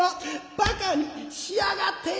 バカにしやがって！」。